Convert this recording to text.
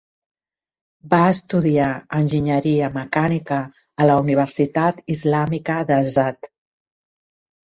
Va estudiar enginyeria mecànica a la Universitat Islàmica d'Azad.